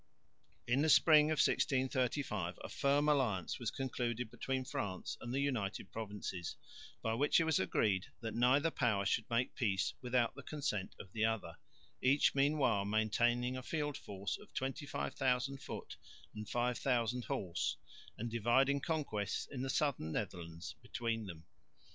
In the spring of 1635 a firm alliance was concluded between France and the United Provinces, by which it was agreed that neither power should make peace without the consent of the other, each meanwhile maintaining a field force of 25,000 foot and 5000 horse and dividing conquests in the Southern Netherlands between them.